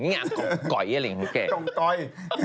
นี่แกก่อยเก๋ย